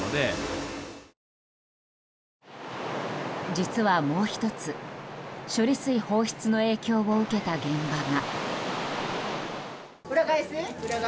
実はもう１つ、処理水放出の影響を受けた現場が。